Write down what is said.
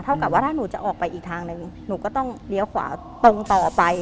กับว่าถ้าหนูจะออกไปอีกทางหนึ่งหนูก็ต้องเลี้ยวขวาตรงต่อไป